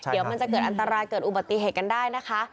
เดี๋ยวมันจะเกิดอันตรายเกิดอุบัติเหตุกันได้นะคะ